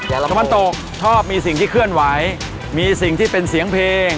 ตะวันตกชอบมีสิ่งที่เคลื่อนไหวมีสิ่งที่เป็นเสียงเพลง